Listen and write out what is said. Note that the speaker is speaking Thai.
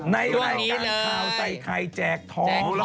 ในรายการข่าวใส่ไข่แจกทอง